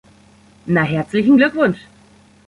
Na, herzlichen Glückwunsch!